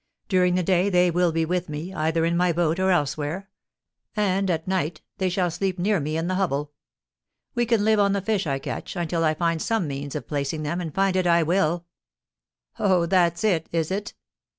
During the day they will be with me, either in my boat or elsewhere; and, at night, they shall sleep near me in the hovel. We can live on the fish I catch until I find some means of placing them, and find it I will." "Oh! That's it, is it?"